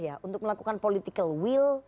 ya untuk melakukan political will